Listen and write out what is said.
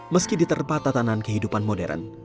meski diterpah tatanan kehidupan modern